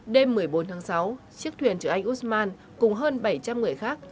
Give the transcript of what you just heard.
đêm một mươi bốn tháng sáu chiếc thuyền chữ anh usman cùng hơn bảy trăm linh người khác